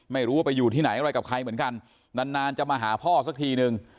ไม่รู้ว่าไปอยู่ที่ไหนอะไรกับใครเหมือนกันนานนานจะมาหาพ่อสักทีนึง